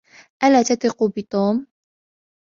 ألا تثق بتوم؟